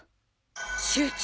集中！